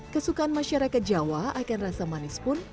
kesukaan masyarakat jawa akan rasa manis pun